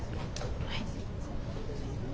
はい。